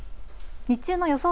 日中の予想